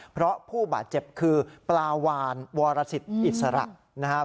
เพราะผู้บาดเจ็บคือปลาวานวรสิทธิ์อิสระนะครับ